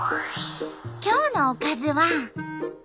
今日のおかずは。